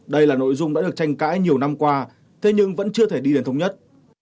đây là nội dung đã được tranh cãi nhiều năm qua thế nhưng vẫn chưa thể đi đến thống nhất